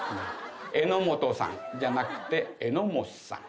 「榎本さん」じゃなくて「えのもっさん」。